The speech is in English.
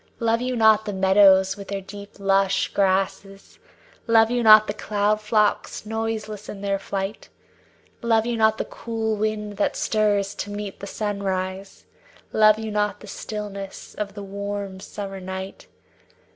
Love you not the meadows with the deep lush grasses; Love you not the cloud flocks noiseless in their flight? Love you not the cool wind that stirs to meet the sunrise; Love you not the stillness of the warm summer night?